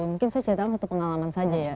mungkin saya ceritakan satu pengalaman saja ya